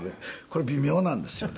これ微妙なんですよね。